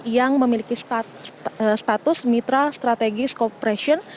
yang memiliki status mitra strategis cooperation